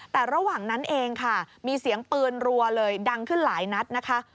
แต่ระหว่างนั้นเองค่ะมีเสียงปืนรัวเลยดังขึ้นหลายนัดนะคะ